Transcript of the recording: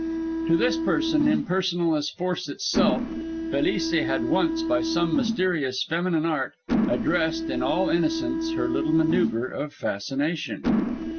To this person, impersonal as force itself, Felice had once, by some mysterious feminine art, addressed, in all innocence, her little maneuver of fascination.